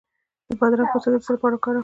د بادرنګ پوستکی د څه لپاره وکاروم؟